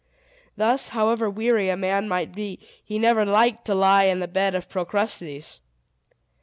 Thus, however weary a man might be, he never liked to lie in the bed of Procrustes.